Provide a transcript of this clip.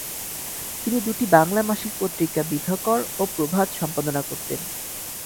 তিনি দুটি বাংলা মাসিক পত্রিকা ‘বিভাকর’ ও ‘প্রভাত’ সম্পাদনা করতেন।